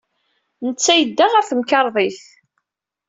Netta yedda ɣer temkarḍit.